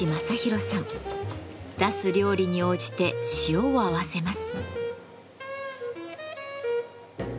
出す料理に応じて塩を合わせます。